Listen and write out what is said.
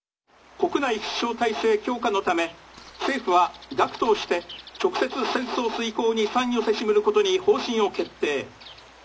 「国内必勝体制強化のため政府は学徒をして直接戦争遂行に参与せしむることに方針を決定」。